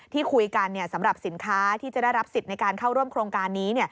ที่คุยกันสำหรับสินค้าที่จะได้รับสิทธิ์ในการเข้าร่วมโครงการนี้